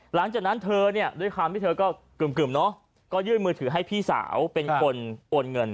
หลังจากนั้นด้วยความที่เธอก็กึ่มยื่นมือถือให้พี่สาวเป็นคนโอนเงิน